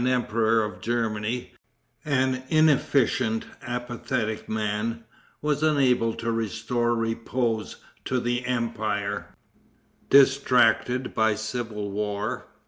Emperor of Germany, an inefficient, apathetic man, was unable to restore repose to the empire, distracted by civil war.